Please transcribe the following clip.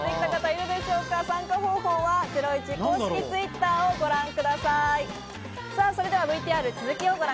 参加方法はゼロイチ公式Ｔｗｉｔｔｅｒをご覧ください。